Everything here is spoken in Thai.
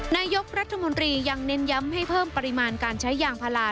นายกรัฐมนตรียังเน้นย้ำให้เพิ่มปริมาณการใช้ยางพารา